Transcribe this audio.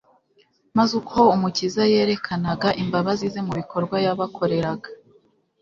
maze uko Umukiza yerekanaga imbabazi ze mu bikorwa yabakoreraga